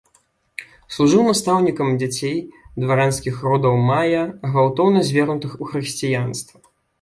Служыў настаўнікам дзяцей дваранскіх родаў мая, гвалтоўна звернутых у хрысціянства.